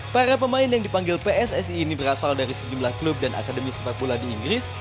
para pemain yang dipanggil pssi ini berasal dari sejumlah klub dan akademi sepak bola di inggris